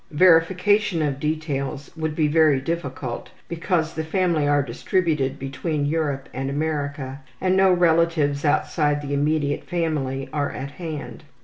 Verification of details would be very difficult because the family are distributed between Europe and America, and no relatives outside the immediate family are at hand.